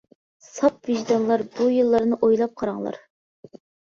ساپ ۋىجدانلار، بۇ يىللارنى ئويلاپ قاراڭلار!